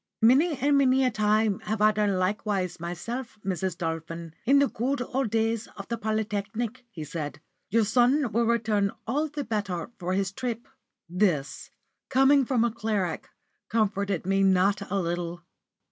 "Many and many a time have I done likewise myself, Mrs. Dolphin, in the good old days of the Polytechnic," he said. "Your son will return all the better for his trip." This, coming from a cleric, comforted me not a little.